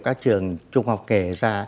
các trường trung học kể ra